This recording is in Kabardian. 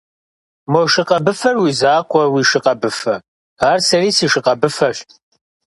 Мо шы къэбыфэр уи закъуэ уи шы къэбыфэ, ар сэри си шы къэбыфэщ.